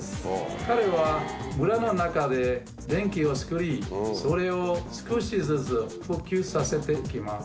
彼は、村の中で電気を作り、それを少しずつ普及させていきます。